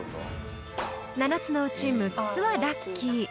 ［７つのうち６つはラッキー］